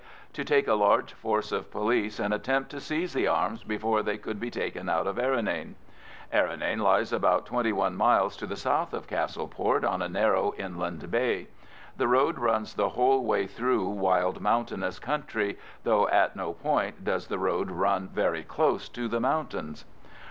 to take a large force of police and attempt to seize the arms before they could be taken out of Errinane. Errinane lies about twenty one miles to the south of Castleport, on a narrow inland bay. The road runs the whole way through wild mountainous country, though at no point does the road run very close to the mountains.